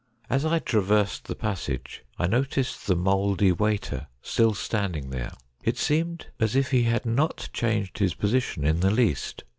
As I traversed the passage, I noticed the mouldy waiter still standing there. It seemed as if he had not changed his position in the least.